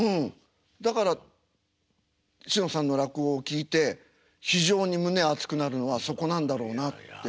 だからしのさんの落語を聴いて非常に胸熱くなるのはそこなんだろうなって。